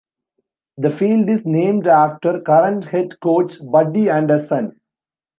The field is named after current head coach Buddy Anderson.